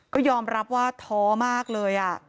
ก็ยอมรับว่าท้อมากเลย